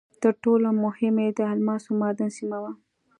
تر ټولو مهم یې د الماسو معدن سیمه وه.